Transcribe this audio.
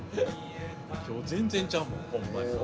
今日全然ちゃうもんほんまにね。